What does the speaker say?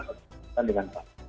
berkampungan dengan pak